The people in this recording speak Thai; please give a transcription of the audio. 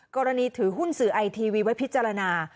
ถือหุ้นสื่อไอทีวีไว้พิจารณา